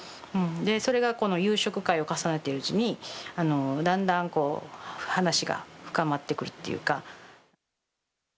それがこの夕食会を重ねているうちにだんだん話が深まってくるっていうか。